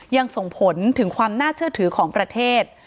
ยังส่งผลถึงความน่าเชื่อถือของประเทศ